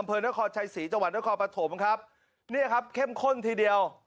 อำเภอนครชัยศรีจังหวัดนครปฐมครับเนี่ยครับเข้มข้นทีเดียว